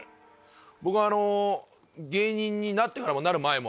僕芸人になってからもなる前も。